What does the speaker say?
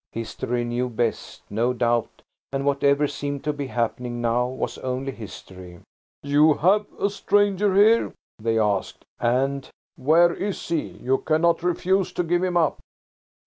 History knew best, no doubt, and whatever seemed to be happening now was only history. "You have a stranger here?" they asked; and, "Where is he? You cannot refuse to give him up."